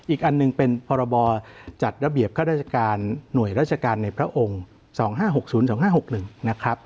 อีกอันหนึ่งเป็นพรบจัดระเบียบข้าราชการหน่วยราชการในพระองค์๒๕๖๐๒๕๖๑นะครับ